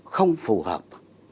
không phù hợp